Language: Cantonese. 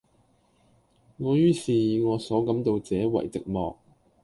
我于是以我所感到者爲寂寞。